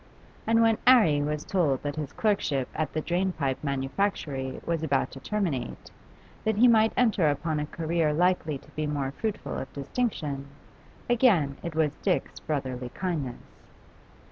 And when 'Arry was told that his clerkship at the drain pipe manufactory was about to terminate, that he might enter upon a career likely to be more fruitful of distinction, again it was Dick's brotherly kindness.